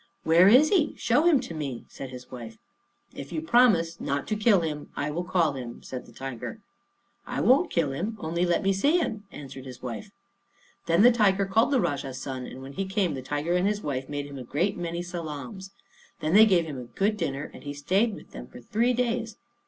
"Where is he? Show him to me," said his wife. "If you promise not to kill him, I will call him," said the tiger. "I won't kill him; only let me see him," answered his wife. Then the tiger called the Rajah's son, and when he came the tiger and his wife made him a great many salaams. Then they gave him a good dinner, and he stayed with them for three days.